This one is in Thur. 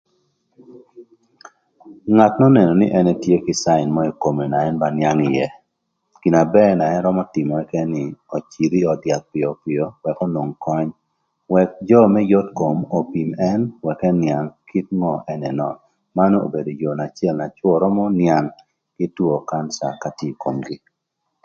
Ngat n'önënö nï ën etye kï cain mörö ï kome na ën ba nïang ïë gin na bër na ën römö tïmö ënë nï öcïdh öd yath pïöpïö ëk onwong köny ëk jö më yot kom opim ën ëk ënïang kit ngö ën ënön manu obedo yoo acël na cwö twërö nïang kï two kanca ka tye ï komgï.